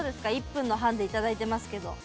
１分のハンディいただいていますけど。